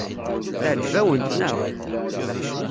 Teɛjeb-awent, naɣ?